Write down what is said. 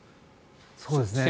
そうですね。